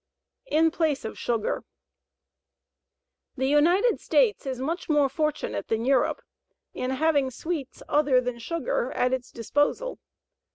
IN PLACE OF SUGAR The United States is much more fortunate than Europe in having sweets other than sugar at its disposal.